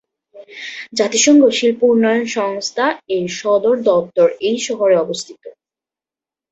জাতিসংঘ শিল্প উন্নয়ন সংস্থা -এর সদর দপ্তর এই শহরে অবস্থিত।